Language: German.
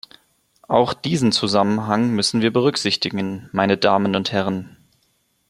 Auch diesen Zusammenhang müssen wir berücksichtigen, meine Damen und Herren.